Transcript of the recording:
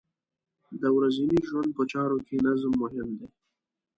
د ورځنۍ ژوند په چارو کې نظم مهم دی.